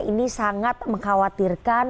ini sangat mengkhawatirkan